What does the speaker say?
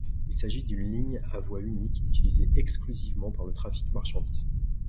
Il s'agit d'une ligne à voie unique utilisée exclusivement par le trafic marchandises.